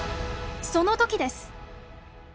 その時です！